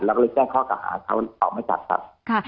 เราก็แจ้งเค้าก่อหาเค้าออกมาจาก